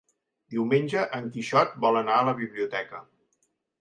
Diumenge en Quixot vol anar a la biblioteca.